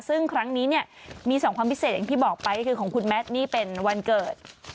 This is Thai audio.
ซึ่งครั้งนี้เนี่ยมี๒ความพิเศษอย่างที่บอกไปก็คือของคุณแมทนี่เป็นวันเกิด